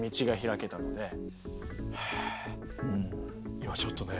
今ちょっとね